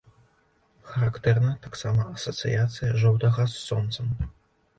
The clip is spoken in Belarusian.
Характэрна таксама асацыяцыя жоўтага з сонцам.